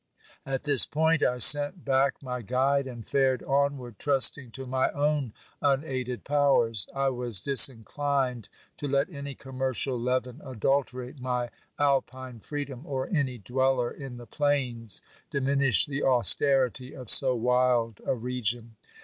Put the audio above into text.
At this point I sent back my guide and fared « OBERMANN 37 onward, trusting to my own unaided powers. I was dis inclined to let any commercial leaven adulterate my alpine freedom, or any dweller in the plains diminish the austerity of so wild a region.